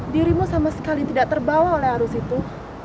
dirimu sama sekali tidak terbawa oleh arus itu